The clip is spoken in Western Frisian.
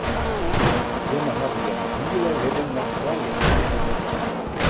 Jimme hawwe jimme hiele libben noch foar jimme.